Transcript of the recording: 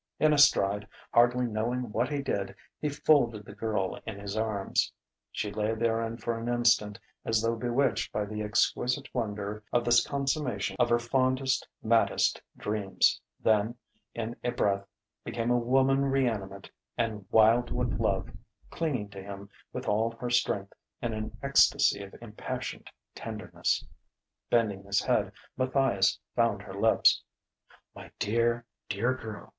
In a stride, hardly knowing what he did, he folded the girl in his arms. She lay therein for an instant as though bewitched by the exquisite wonder of this consummation of her fondest, maddest dreams; then in a breath became a woman reanimate and wild with love, clinging to him with all her strength, in an ecstasy of impassioned tenderness. Bending his head, Matthias found her lips. "My dear, dear girl!"